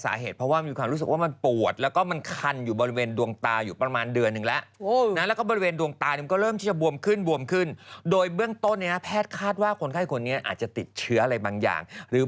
สาเหตุเพราะว่ามีความรู้สึกว่ามันปวดแล้วก็มันคันอยู่บริเวณดวงตาอยู่ประมาณเดือนหนึ่งแล้ว